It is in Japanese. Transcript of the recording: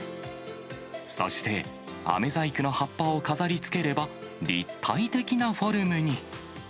そして、あめ細工の葉っぱを飾りつければ立体的なフォルムに。